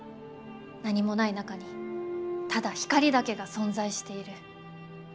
何もない中にただ光だけが存在している。